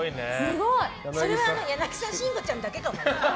それ柳沢慎吾ちゃんだけかもよ。